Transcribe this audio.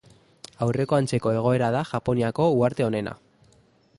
Aurreko antzeko egoera da Japoniako uharte honena.